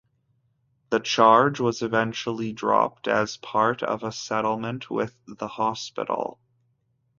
The charge was eventually dropped as part of a settlement with the hospital.